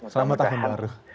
selamat tahun baru